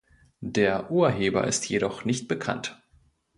Der Urheber ist jedoch nicht bekannt.